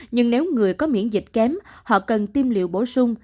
nhưng nếu người có miễn dịch kém họ cần tiêm liệu bổ sung